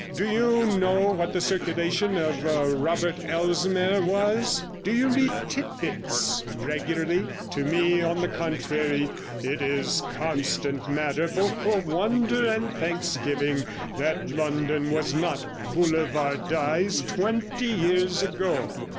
Do you know what the circulation of Robert Elsmere was? Do you read Tit Bits, regularly? To me, on the contrary, it is constant matter both for wonder and thanksgiving that London was not boulevardized twenty years ago.